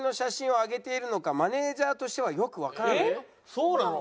そうなの？